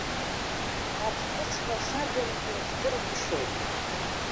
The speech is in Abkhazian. Аԥсыҽра шагымгьы здыргәышьоит.